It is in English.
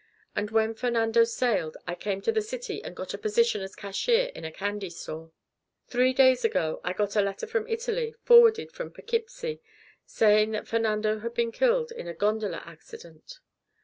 And when Fernando sailed I came to the city and got a position as cashier in a candy store. "Three days ago I got a letter from Italy, forwarded from P'kipsee, saying that Fernando had been killed in a gondola accident.